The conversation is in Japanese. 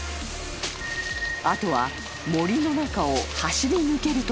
あとは森の中を走り抜けるという計画］